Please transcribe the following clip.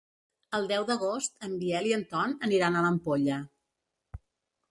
El deu d'agost en Biel i en Ton aniran a l'Ampolla.